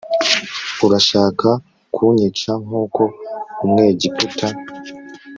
urashaka kunyica nk' uko umwegiputa